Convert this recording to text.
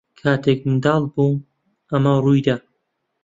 کاتێک منداڵ بووم ئەمە ڕووی دا.